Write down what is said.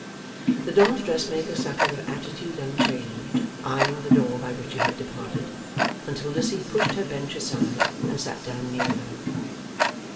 The dolls' dressmaker sat with her attitude unchanged, eyeing the door by which he had departed, until Lizzie pushed her bench aside and sat down near her.